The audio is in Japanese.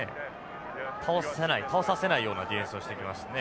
倒せない倒させないようなディフェンスをしてきましたね。